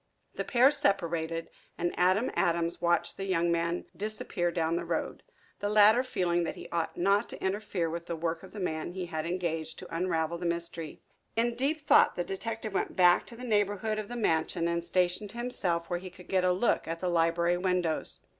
The pair separated, and Adam Adams watched the young man disappear down the road, the latter feeling that he ought not to interfere with the work of the man he had engaged to unravel the mystery. In deep thought the detective went back to the neighborhood of the mansion and stationed himself where he could get a look at the library windows.